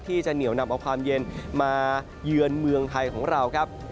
ที่จะเหนียวนำเอาความเย็นมาเยือนเมืองไทยของเราครับ